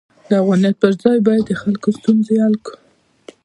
د افغانیت پر ځای باید د خلکو ستونزې حل کړو.